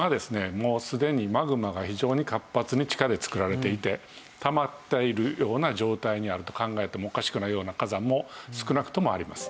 もうすでにマグマが非常に活発に地下で作られていてたまっているような状態にあると考えてもおかしくないような火山も少なくともあります。